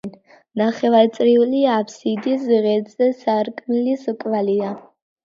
ნახევარწრიული აფსიდის ღერძზე სარკმლის კვალია.